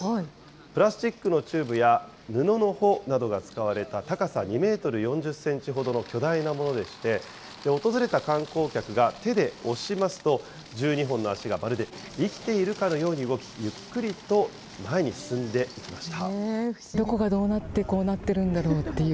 プラスチックのチューブや布の帆などが使われた、高さ２メートル４０センチほどの巨大なものでして、訪れた観光客が手で押しますと、１２本の脚がまるで生きているかのように動き、ゆっくりと前に進んでいきました。